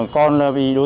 thời gian qua